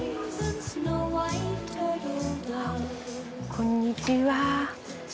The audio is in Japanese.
こんにちは。